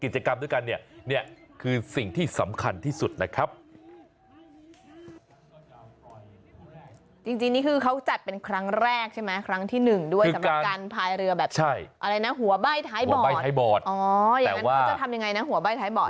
จริงนี่คือเขาจัดเป็นครั้งแรกใช่ไหมครั้งที่หนึ่งด้วยสำหรับการพายเรือแบบใช่อะไรนะหัวใบ้ท้ายบอดหัวใบ้ท้ายบอดอ๋ออย่างนั้นเขาจะทำยังไงนะหัวใบ้ท้ายบอด